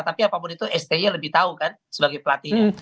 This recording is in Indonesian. tapi apapun itu sti lebih tahu kan sebagai pelatihnya